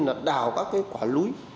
là đào các cái quả lúi